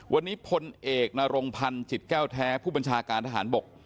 วันนี้พลเอกนรงพันธ์จิตแก้วแท้ผู้บัญชาการทหารบก